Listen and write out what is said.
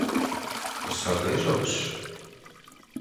Ӕцӕг ӕй зӕгъыс?